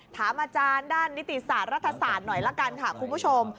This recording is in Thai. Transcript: ถามอาจารย์ด้านนิติศาสตร์รัฐศาสตร์หน่อยละกันค่ะคุณผู้ชม